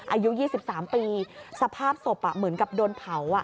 อายุ๒๓ปีสภาพศพเหมือนกับโดนเผา